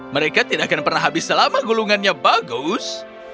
mereka tidak akan pernah habis selama gulungannya bagus